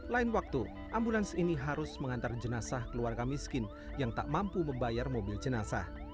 lain waktu ambulans ini harus mengantar jenazah keluarga miskin yang tak mampu membayar mobil jenazah